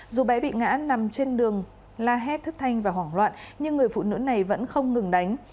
dù bé bị ngã nằm trên đường la hét thất thanh và hoảng loạn nhưng người phụ nữ này vẫn không ngừng đánh